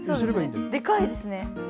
でかいですね。